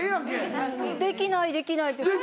「できないできない」って。